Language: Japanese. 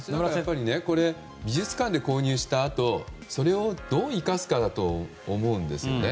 美術館で購入したあとそれをどう生かすかだと思うんですよ。